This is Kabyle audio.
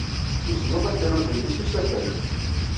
Tuzned akerrud-nni s usafag.